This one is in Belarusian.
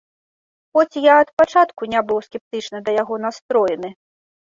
Хоць я ад пачатку не быў скептычна да яго настроены.